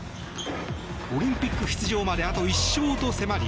オリンピック出場まであと１勝と迫り